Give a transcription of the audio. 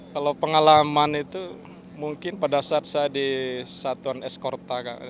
kalau pengalaman itu mungkin pada saat saya di satuan es korta